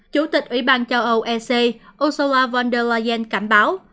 chủ tịch ủy ban châu âu ec ursula von der leyen cảm báo